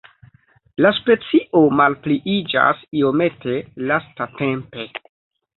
La specio malpliiĝas iomete lastatempe.